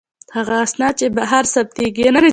هغه اسناد چې بهر ثبتیږي.